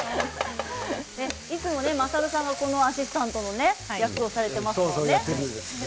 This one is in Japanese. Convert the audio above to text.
いつもまさるさんがアシスタントの役をされていますよね。